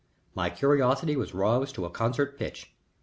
My curiosity was roused to concert pitch.